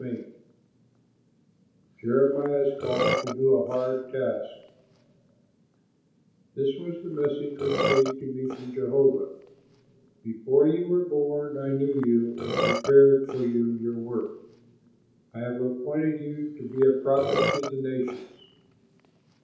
Taylor] JEREMIAH'S CALL TO DO A HARD TASK This was the message which came to me from Jehovah: "Before you were born I knew you and prepared you for your work. I have appointed you to be a prophet to the nations."